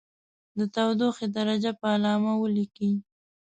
د تودوخې درجه په علامه ولیکئ.